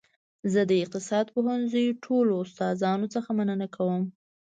زه د اقتصاد پوهنځي ټولو استادانو څخه مننه کوم